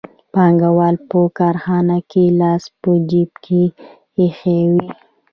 پانګوال په کارخانه کې لاس په جېب کې ایښی وي